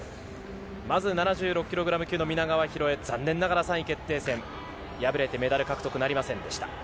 まず７６ｋｇ級の皆川博恵、残念ながら３位決定戦、破れてメダル獲得はなりませんでした。